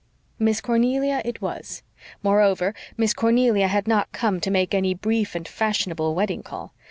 Miss Cornelia it was; moreover, Miss Cornelia had not come to make any brief and fashionable wedding call.